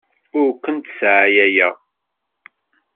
Ur kent-sseɛyayeɣ.